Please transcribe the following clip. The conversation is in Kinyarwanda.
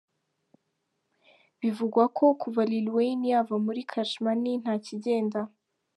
Bivugwa ko kuva Lil Wayne yava muri Cash Money nta kigenda.